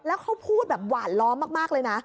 แล้วเขาพูดแบบหวานล้อมมากเลยนะ